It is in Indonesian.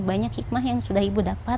banyak hikmah yang sudah ibu dapat